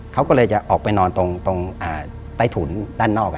เขาก็เลยจะออกไปนอนตรงใต้ถุนด้านนอก